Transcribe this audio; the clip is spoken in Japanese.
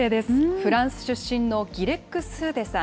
フランス出身のギレック・スーデさん。